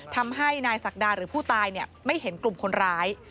ทำให้นายศักดาหรือผู้ตายไม่เห็นกลุ่มคนร้าย